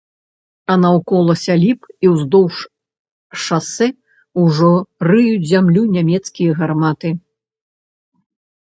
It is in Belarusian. А наўкола сяліб і ўздоўж шасэ ўжо рыюць зямлю нямецкія гарматы.